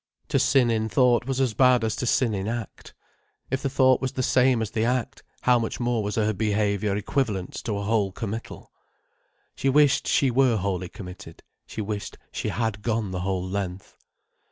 To sin in thought was as bad as to sin in act. If the thought was the same as the act, how much more was her behaviour equivalent to a whole committal? She wished she were wholly committed. She wished she had gone the whole length.